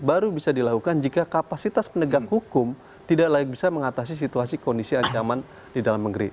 baru bisa dilakukan jika kapasitas penegak hukum tidak layak bisa mengatasi situasi kondisi ancaman di dalam negeri